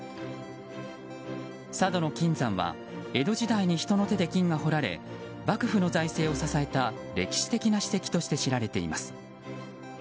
佐渡島の金山は江戸時代に人の手で金が掘られ幕府の財政を支えた歴史的な史跡として知られています。